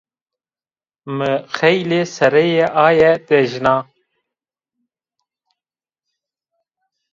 Mi xeylê sereyê aye dejna